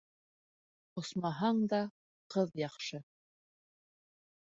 Ҡосмаһаң да ҡыҙ яҡшы.